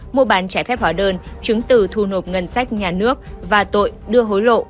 mua bán trái phép hóa đơn chứng từ thu nộp ngân sách nhà nước và tội đưa hối lộ